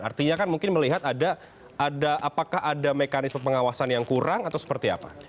artinya kan mungkin melihat apakah ada mekanisme pengawasan yang kurang atau seperti apa